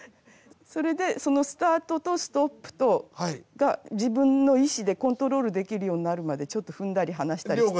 それでそのスタートとストップとが自分の意思でコントロールできるようになるまでちょっと踏んだり離したりして。